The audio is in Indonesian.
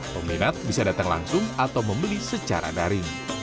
peminat bisa datang langsung atau membeli secara daring